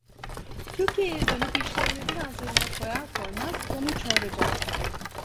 Türkiye'ye dönüp işlerimi biraz yoluna koyar koymaz onu çağıracaktım.